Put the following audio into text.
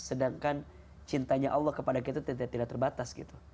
sedangkan cintanya allah kepada kita tidak terbatas gitu